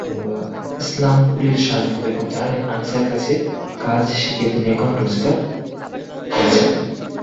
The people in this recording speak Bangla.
ইসলামপুরের শারমিন বেগম জানালেন, আনিছার কাছে কাজ শিখে তিনি এখন রোজগার করছেন।